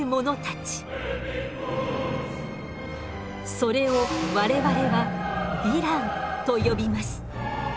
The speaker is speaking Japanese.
それを我々は「ヴィラン」と呼びます。